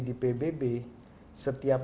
di pbb setiap